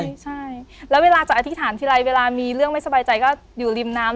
ใช่แล้วเวลาจะอธิษฐานทีไรเวลามีเรื่องไม่สบายใจก็อยู่ริมน้ำ